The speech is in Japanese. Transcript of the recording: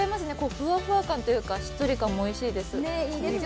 ふわふわ感というかしっとり感もおいしいです。